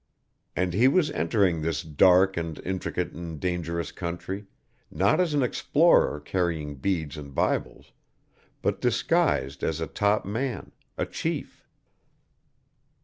And he was entering this dark and intricate and dangerous country, not as an explorer carrying beads and bibles, but disguised as a top man, a chief.